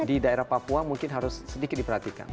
di daerah papua mungkin harus sedikit diperhatikan